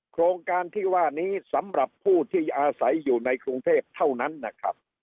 โครงการที่ว่านี้สำหรับผู้ที่อาศัยอยู่ในกรุงเทพเท่านั้นนะครับ